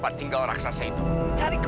pulangkan aku ke tempat asal aku